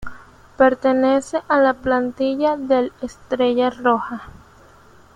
Pertenece a la plantilla del Estrella Roja.